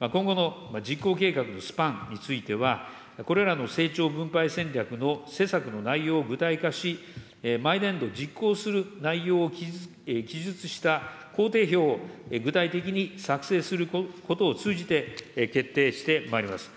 今後の実行計画のスパンについては、これらの成長分配戦略の施策の内容を具体化し、毎年度、実行する内容を記述した工程表を具体的に作成することを通じて、決定してまいります。